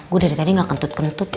gue dari tadi gak kentut kentut